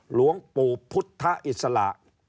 หลวงปู่พุทธอิสระ